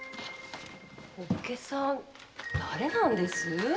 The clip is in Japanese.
お武家さん誰なんです？